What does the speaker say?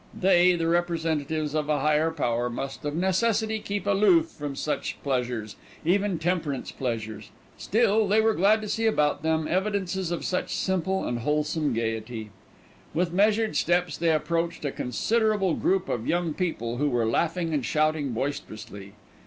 They, the representatives of a Higher Power, must of necessity keep aloof from such pleasures, even temperance pleasures; still, they were glad to see about them evidences of such simple and wholesome gaiety. With measured steps they approached a considerable group of young people who were laughing and shouting boisterously.